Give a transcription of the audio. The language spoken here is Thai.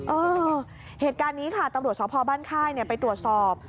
เออเหตุการณ์นี้ค่ะตำรวจสพบ้านค่ายไปตรวจสอบ